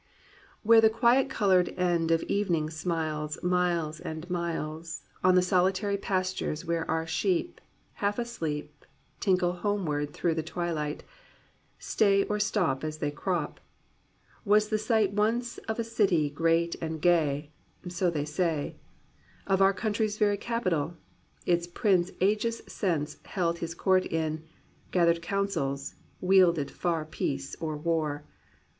Where the quiet coloured end of evening smiles Miles and miles On the solitary pastures where our sheep Half asleep Tinkle homeward through the twilight, stay or stop As they crop — Was the site once of a city great and gay (So they say) Of our country's very capital, its prince Ages since Held his court in, gathered councils, wielding far Peace or war.